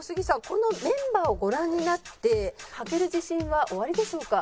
このメンバーをご覧になってはける自信はおありでしょうか？